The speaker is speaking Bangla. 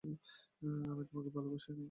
আমি তোমাকে ভালোবাসি না।